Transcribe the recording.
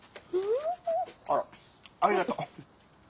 あらありがとう。